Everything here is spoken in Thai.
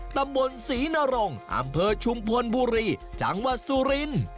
ตำบลศรีนรงอำเภอชุมพลบุรีจังหวัดสุรินทร์